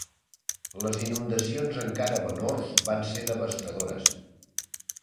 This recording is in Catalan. Les inundacions encara menors van ser devastadores.